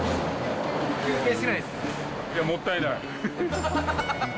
いや、もったいない。